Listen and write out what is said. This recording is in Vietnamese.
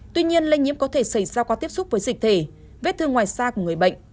tuy nhiên lây nhiễm có thể xảy ra qua tiếp xúc với dịch thể vết thương ngoài xa của người bệnh